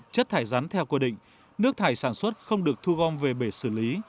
chất thải rắn theo quy định nước thải sản xuất không được thu gom về bể xử lý